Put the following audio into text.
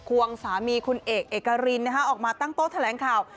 ควงสามีคุณเอกเอกรินออกมาตั้งโต๊ะแถลงข่าว